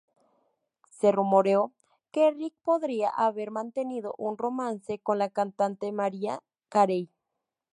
Se rumoreó que Rick podría haber mantenido un romance con la cantante Mariah Carey.